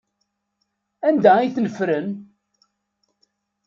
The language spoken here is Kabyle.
Anda ay ten-ffren?